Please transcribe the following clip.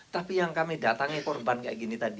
tapi yang kami datangi korban kayak gini tadi